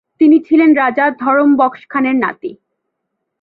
তিনি ছিলেন রাজা ধরম বক্স খানের নাতি।